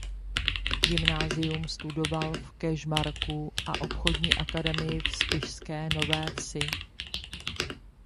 Gymnázium studoval v Kežmarku a obchodní akademii v Spišské Nové Vsi.